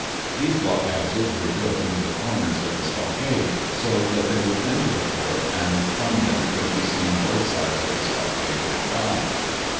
These blockhouses were built into the corners of the stockade so that they looked into the fort and from them could be seen both sides of the stockade near by.